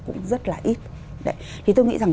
cũng rất là ít thì tôi nghĩ rằng